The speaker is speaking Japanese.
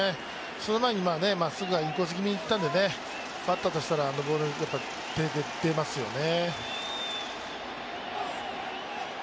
その前にまっすぐがインコース気味にいったんで、バッターとしたらあのボール、手が出ますよね。